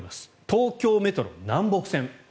東京メトロ南北線。